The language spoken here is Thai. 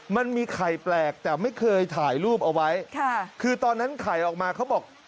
มันมีไข่แปลกแต่ไม่เคยถ่ายรูปเอาไว้ค่ะคือตอนนั้นไข่ออกมาเขาบอก